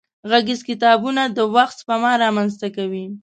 غږيز کتابونه د وخت سپما را منځ ته کوي.